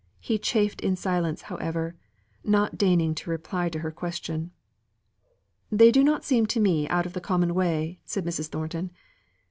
He chafed in silence, however, not deigning to reply to her question. "They do not seem to me out of the common way," said Mrs. Thornton.